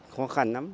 khó khăn lắm